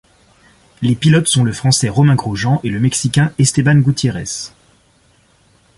Les pilotes sont le français Romain Grosjean et le mexicain Esteban Gutiérrez.